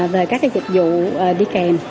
về các cái dịch vụ đi kèm